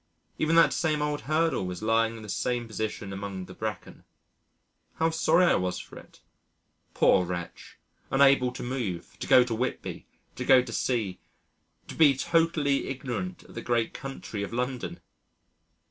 Even that same old hurdle was lying in the same position among the bracken. How sorry I was for it! Poor wretch unable to move to go to Whitby, to go to C , to be totally ignorant of the great country of London....